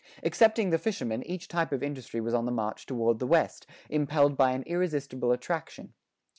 Excepting the fisherman, each type of industry was on the march toward the West, impelled by an irresistible attraction.